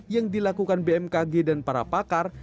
yang dilakukan bmkg dan para pakar